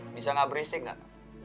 bisa gak berisik gak